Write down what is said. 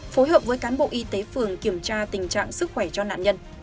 phối hợp với cán bộ y tế phường kiểm tra tình trạng sức khỏe cho nạn nhân